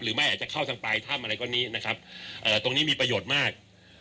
ไม่อาจจะเข้าทางปลายถ้ำอะไรก็นี้นะครับตรงนี้มีประโยชน์มาก